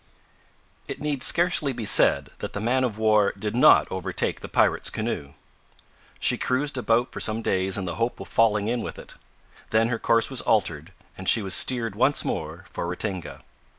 It need scarcely be said that the man of war did not overtake the pirate's canoe! She cruised about for some days in the hope of falling in with it. Then her course was altered, and she was steered once more for Ratinga.